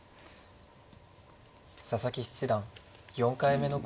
佐々木七段４回目の考慮時間に。